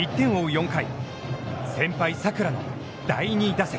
４回、先輩佐倉の第２打席。